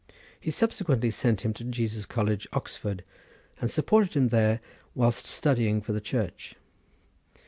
He subsequently sent him to Jesus College, Oxford, and supported him there whilst studying for the Church.